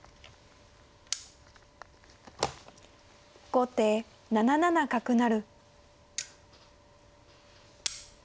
後手７七角成。